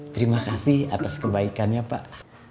terima kasih atas kebaikannya pak